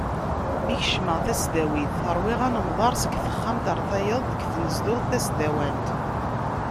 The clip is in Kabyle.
Mi kecmeɣ tasdawit ṛwiɣ anemḍer seg texxamt ɣer tayeḍ deg tnezduɣt tasdawant.